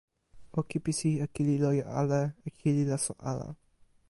o kipisi e kili loje ale e kili laso ala.